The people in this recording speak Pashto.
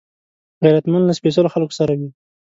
غیرتمند له سپېڅلو خلکو سره وي